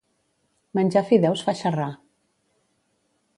Menjar fideus fa xerrar.